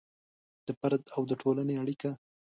د فرد او د ټولنې اړیکه